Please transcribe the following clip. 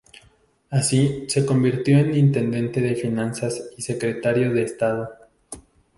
Así, se convirtió en intendente de finanzas y secretario de Estado.